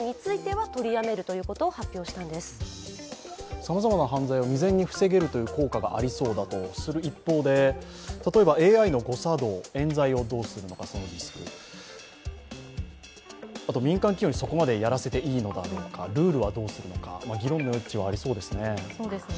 さまざまな犯罪を未然に防げる効果がありそうだとする一方で例えばＡＩの誤作動、えん罪をどうするのかというリスク、あと民間企業にそこまでやらせていいのだろうか、ルールはどうするのか議論の余地はありそうですね。